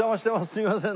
すいません。